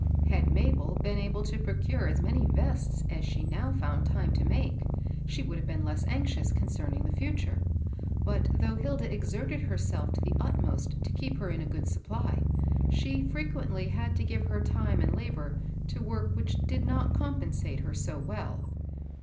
Had Mabel been able to procure as many vests as she now found time to make, she would have been less anxious concerning the fu ture; but, though Hilda exerted herself to the utmost to keep her in a good supply, she frequently had to give her time and labor to work which did not compensate her so well.